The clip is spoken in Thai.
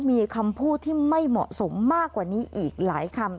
มีคำพูดที่ไม่เหมาะสมมากกว่านี้อีกหลายคำ